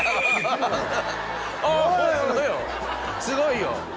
すごいよ。